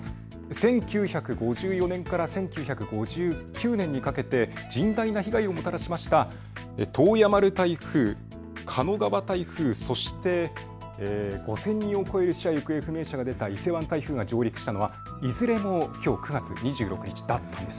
１９５４年から１９５９年にかけて甚大な被害をもたらしました洞爺丸台風、狩野川台風、そして５０００人を超える死者・行方不明者が出た伊勢湾台風が上陸したのはいずれもきょう９月２６日だったんです。